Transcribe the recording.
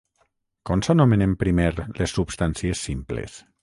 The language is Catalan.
Com s'anomenen primer les substàncies simples?